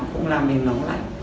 không làm mình nóng lạnh